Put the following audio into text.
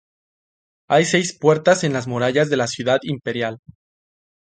Hay seis puertas en las murallas de la Ciudad Imperial.